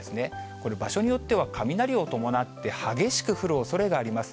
これ、場所によっては、雷を伴って、激しく降るおそれがあります。